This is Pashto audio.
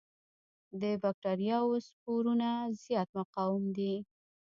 د بکټریاوو سپورونه زیات مقاوم دي.